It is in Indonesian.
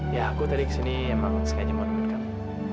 iya aku tadi kesini emang sengaja mau menemukanmu